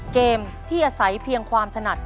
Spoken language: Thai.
เกมที่อาศัยเพียงความถนัด